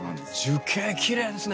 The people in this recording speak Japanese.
樹形きれいですね。